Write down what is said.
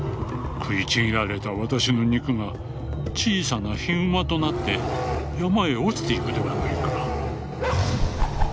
食いちぎられた私の肉が小さなヒグマとなって山へ落ちていくではないか」。